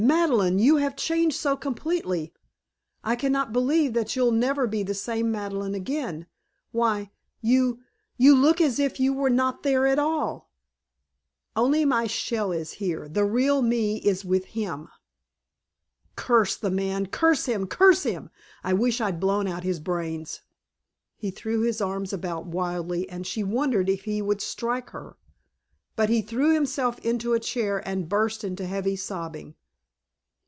Madeleine! You have changed so completely! I cannot believe that you'll never be the same Madeleine again. Why you you look as if you were not there at all!" "Only my shell is here. The real me is with him." "Curse the man! Curse him! Curse him! I wish I'd blown out his brains!" He threw his arms about wildly and she wondered if he would strike her. But he threw himself into a chair and burst into heavy sobbing.